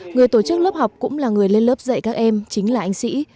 người tổ chức lớp học cũng là người lên lớp dạy các em chính là anh sĩ